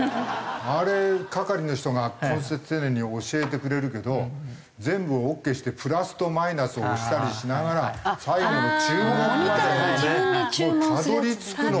あれ係の人が懇切丁寧に教えてくれるけど全部オーケーしてプラスとマイナス押したりしながら最後の注文までたどり着くの。